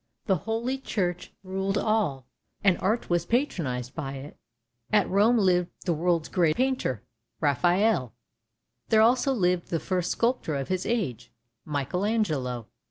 The Holy Church ruled all, and art was patronised by it. At Rome lived the world's great painter, Raphael; there also lived the first sculptor of his age, Michael Angelo.